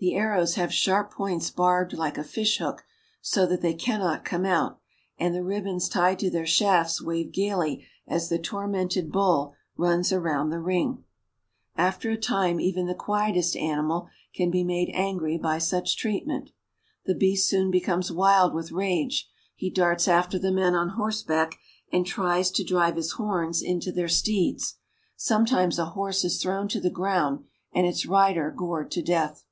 The arrows have sharp points barbed like a fishhook, so that they cannot come out, and the rib bons tied to their shafts wave gayly as the tormented bull runs around the ring. After a time even the quietest animal can be made angry CARP. EUROPE — 27 440 SPAIN. by such treatment. The beast soon becomes wild with rage; he darts after the men on horseback, and tries to drive his horns into their steeds. Sometimes a horse is thrown to the ground, and its rider gored to death.